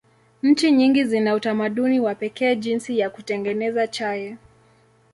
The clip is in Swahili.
Nchi nyingi zina utamaduni wa pekee jinsi ya kutengeneza chai.